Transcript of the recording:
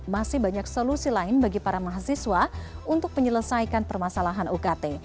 masih banyak solusi lain bagi para mahasiswa untuk menyelesaikan permasalahan ukt